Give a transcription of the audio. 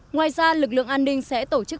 ngoài ra lực lượng an ninh sẽ tổ chức